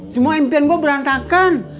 semua impian gue berantakan